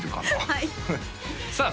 はいさあ